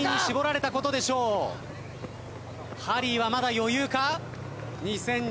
ハリーはまだ余裕か？